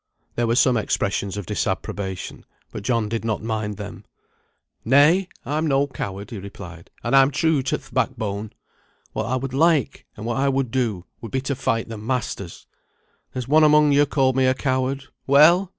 There were some expressions of disapprobation, but John did not mind them. "Nay! I'm no coward," he replied, "and I'm true to th' backbone. What I would like, and what I would do, would be to fight the masters. There's one among yo called me a coward. Well!